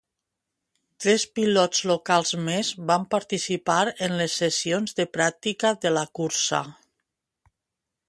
Tres pilots locals més van participar en les sessions de pràctica de la cursa.